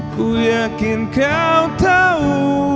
aku yakin kau tau